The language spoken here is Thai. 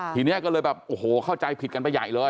ทีนี้ก็เลยแบบโอ้โหเข้าใจผิดกันไปใหญ่เลย